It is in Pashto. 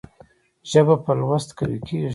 ژبه په لوست قوي کېږي.